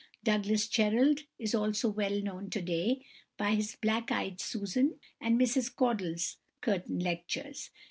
=Douglas Jerrold (1803 1857)= is also well known to day by his "Black eyed Susan" and "Mrs Caudle's Curtain Lectures."